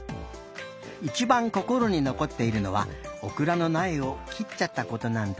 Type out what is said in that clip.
いちばんこころにのこっているのはオクラのなえを切っちゃったことなんだって。